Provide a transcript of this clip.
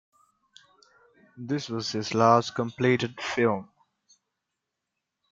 This was his last completed film.